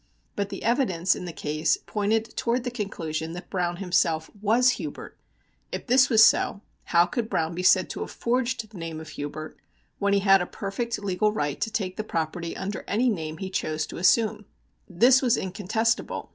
But the evidence in the case pointed toward the conclusion that Browne himself was Hubert. If this was so, how could Browne be said to have forged the name of Hubert, when he had a perfect legal right to take the property under any name he chose to assume? This was incontestable.